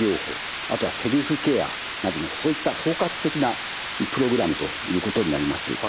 あとはセルフケアなどのそういった包括的なプログラムということになります。